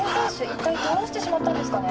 一体どうしてしまったんですかね